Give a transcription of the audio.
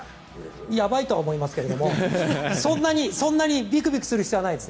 やばいとは思いますがそんなにビクビクする必要はないです。